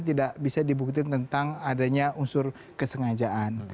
tidak bisa dibuktikan tentang adanya unsur kesengajaan